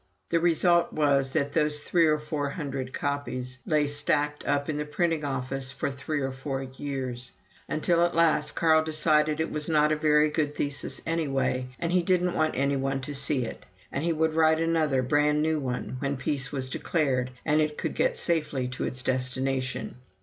The result was that those three Or four hundred copies lay stacked up in the printing office for three or four years, until at last Carl decided it was not a very good thesis anyway, and he didn't want any one to see it, and he would write another brand new one when peace was declared and it could get safely to its destination.